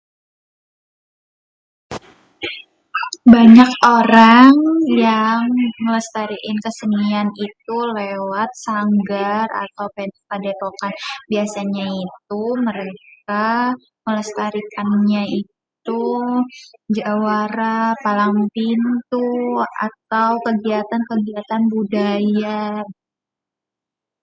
banyak orang nyang ngéléstariin kesenian ntuh lewat sanggar atow padépokan. biasényé itu mereka melestarikannya ituh jawara, palang pintu, atow kegiatan-kegiatan budaya.